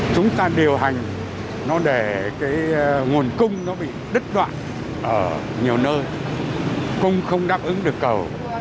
chúng ta điều hành nó để cái nguồn cung nó bị đứt đoạn ở nhiều nơi cũng không đáp ứng được cầu